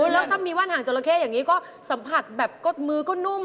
แล้วถ้ามีว่านหางจราเข้อย่างนี้ก็สัมผัสแบบกดมือก็นุ่ม